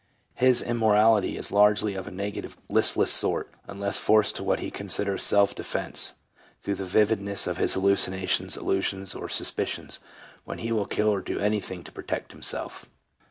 His immorality is largely of a negative, listless sort, unless forced to what he considers self defence through the vivid ness of his hallucinations, illusions, or suspicions, when he will kill or do anything to protect himself.